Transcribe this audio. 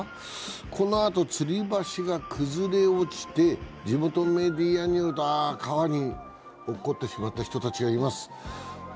このあとつり橋が崩れ落ちて、地元メディアによりますと川に落ちてしまった人たちがいます。